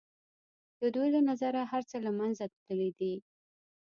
د دوی له نظره هر څه له منځه تللي دي.